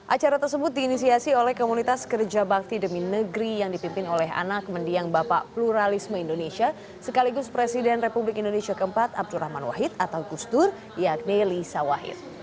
acara tersebut diinisiasi oleh komunitas kerja bakti demi negeri yang dipimpin oleh anak mendiang bapak pluralisme indonesia sekaligus presiden republik indonesia keempat abdurrahman wahid atau gusdur yakni lisa wahid